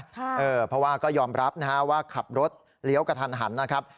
เพราะว่าก็ยอมรับนะฮะว่าขับรถเลี้ยวกระทันหันนะครับ